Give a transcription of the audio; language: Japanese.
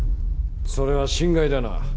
それは心外だな。